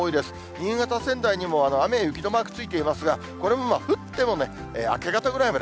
新潟、仙台にも雨や雪のマークがついていますが、これも降ってもね、明け方ぐらいまで。